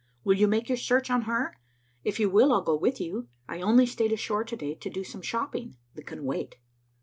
Will you make your search on her? If you will, I'll go with you. I only stayed ashore to day to do some shopping that can wait."